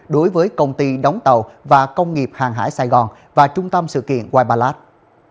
đối với công ty đóng tàu và công nghiệp hàng hải sài gòn và trung tâm sự kiện wiballad